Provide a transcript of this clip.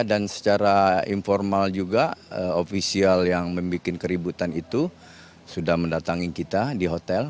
dan secara informal juga ofisial yang membuat keributan itu sudah mendatangi kita di hotel